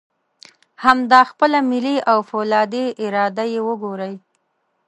همدا خپله ملي او فولادي اراده یې وګورئ.